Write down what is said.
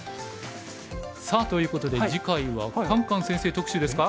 さあということで次回はカンカン先生特集ですか。